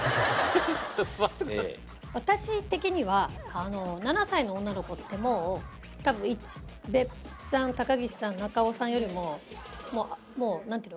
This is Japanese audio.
私的には７歳の女の子ってもう多分別府さん高岸さん中尾さんよりももうなんていうの？